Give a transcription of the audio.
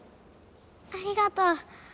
ありがとう。